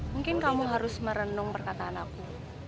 mungkin kamu harus merenung perkataan aku